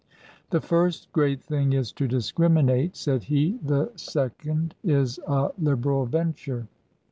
The first great thing is to discriminate," said he ;" the second is a liberal venture."